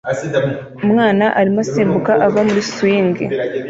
Umwana arimo asimbuka ava muri swing